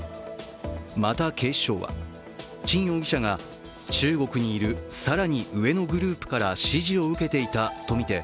また警視庁は、沈容疑者が中国にいる更に上のグループから指示を受けていたとみて